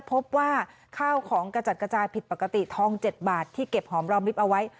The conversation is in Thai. พบว่าข้าวของกระจัดกระจายผิดปกติทอง๗บาทที่เก็บหอมรอมลิฟต์เอาไว้